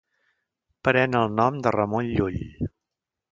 Pren el nom de Ramon Llull.